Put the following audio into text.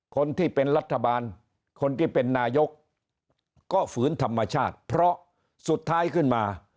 คนที่เป็นรัฐบาลคนที่เป็นนายกก็ฝืนธรรมชาติเพราะสุดท้ายขึ้นมา